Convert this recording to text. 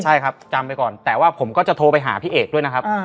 ใช่ครับจำไปก่อนแต่ว่าผมก็จะโทรไปหาพี่เอกด้วยนะครับ